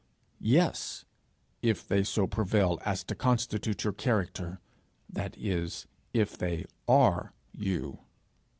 Yes, if they so prevail as to constitute your character that is, if they are you.